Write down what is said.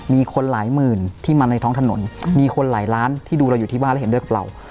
มีคนหลายหมื่นที่มาในท้องถนนมีคนหลายล้านที่ดูเราอยู่ที่บ้านแล้วเห็นด้วยกับเรา